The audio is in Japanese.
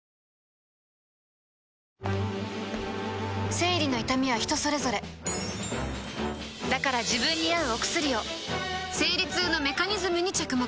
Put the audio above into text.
生理の痛みは人それぞれだから自分に合うお薬を生理痛のメカニズムに着目